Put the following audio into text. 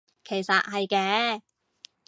其實係嘅